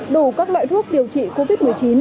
đủ các loại thuốc điều trị covid một mươi chín